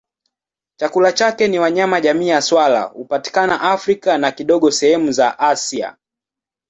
Chakula chake ni wanyama jamii ya swala hupatikana Afrika na kidogo sehemu za Asia.